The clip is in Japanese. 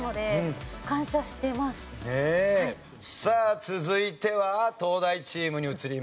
さあ続いては東大チームに移ります。